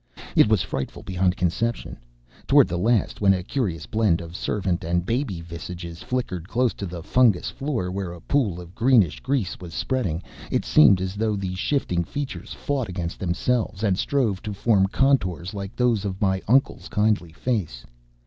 It was frightful beyond conception; toward the last, when a curious blend of servant and baby visages flickered close to the fungous floor where a pool of greenish grease was spreading, it seemed as though the shifting features fought against themselves and strove to form contours like those of my uncle's kindly face.